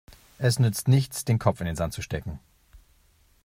Es nützt nichts, den Kopf in den Sand zu stecken.